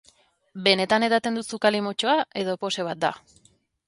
Benetan edaten duzu kalimotxoa edo pose bat da?